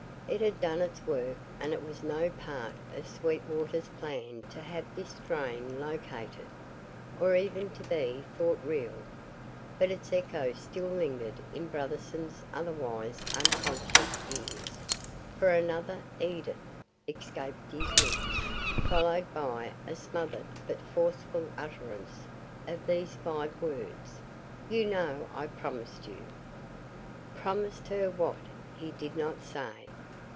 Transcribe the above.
It had done its work and it was no part of Sweetwater's plan to have this strain located, or even to be thought real. But its echo still lingered in Brotherson's otherwise unconscious ears; for another "Edith!" escaped his lips, followed by a smothered but forceful utterance of these five words, "You know I promised you " Promised her what? He did not say.